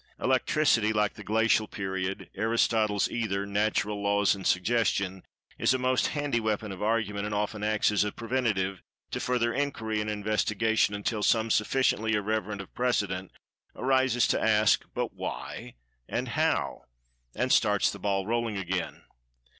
"Electricity," like the "Glacial Period," "Aristotle's Ether," "Natural Laws," and "Suggestion," is a most handy weapon of argument, and often acts as a preventative to further inquiry and investigation until some sufficiently irreverent of precedent arises to ask, "But Why and How?" and starts the ball rolling again.